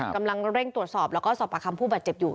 กำลังเร่งตรวจสอบแล้วก็สอบประคำผู้บาดเจ็บอยู่